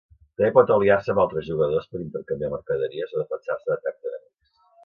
També pot aliar-se amb altres jugadors per intercanviar mercaderies o defensar-se d'atacs enemics.